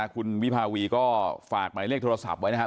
คุณวิภาวีก็ฝากหมายเลขโทรศัพท์ไว้นะครับ